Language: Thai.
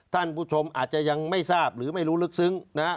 ท่านผู้ชมอาจจะยังไม่ทราบหรือไม่รู้ลึกซึ้งนะฮะ